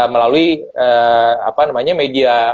melalui apa namanya